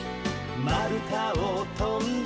「まるたをとんで」